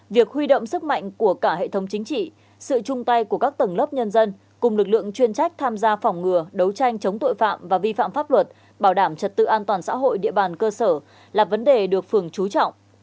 việc huy động sức mạnh của cả hệ thống chính trị sự chung tay của các tầng lớp nhân dân cùng lực lượng chuyên trách tham gia phòng ngừa đấu tranh chống tội phạm và vi phạm pháp luật bảo đảm trật tự an toàn xã hội địa bàn cơ sở là vấn đề được phường trú trọng